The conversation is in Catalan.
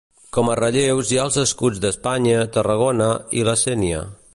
Com a relleus hi ha els escuts d'Espanya, Tarragona i la Sénia.